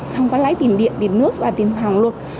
không có lấy tiền điện tiền nước và tiền khoản luật